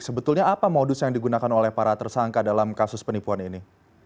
sebetulnya apa modus yang digunakan oleh para tersangka dalam kasus penipuan ini